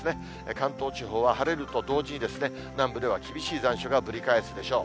関東地方は晴れると同時に南部では厳しい残暑がぶり返すでしょう。